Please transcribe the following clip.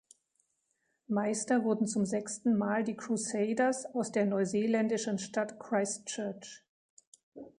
Meister wurden zum sechsten Mal die Crusaders aus der neuseeländischen Stadt Christchurch.